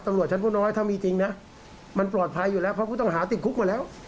ตำรวจชั้นผู้น้อยถ้ามีจริงนะมันปลอดภัยอยู่แล้วเพราะผู้ต้องหาติดคุกมาแล้ว